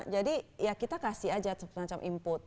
jadi ya kita kasih aja semacam input